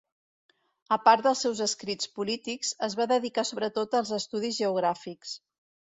A part dels seus escrits polítics, es va dedicar sobretot als estudis geogràfics.